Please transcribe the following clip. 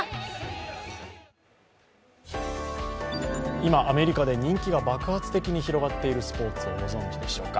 今、アメリカで人気が爆発的に広がっているスポーツをご存じでしょうか。